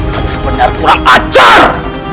benar benar kurang ajar